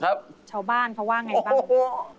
ครับชาวบ้านเขาว่าอย่างไรบ้างโอ้โฮ